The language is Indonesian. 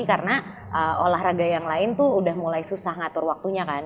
karena olahraga yang lain tuh udah mulai susah ngatur waktunya kan